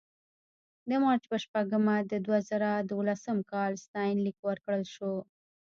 د مارچ په شپږمه د دوه زره دولسم کال ستاینلیک ورکړل شو.